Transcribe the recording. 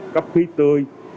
cấp khí tươi